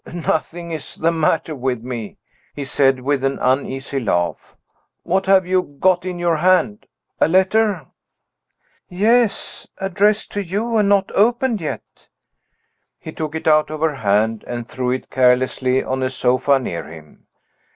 "Nothing is the matter with me," he said, with an uneasy laugh. "What have you got in your hand? A letter?" "Yes. Addressed to you and not opened yet." He took it out of her hand, and threw it carelessly on a sofa near him.